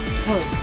はい。